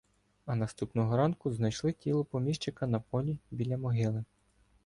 А наступного ранку знайшли тіло поміщика на полі біля могили.